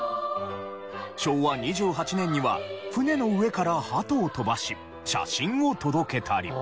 昭和２８年には船の上から鳩を飛ばし写真を届けたり。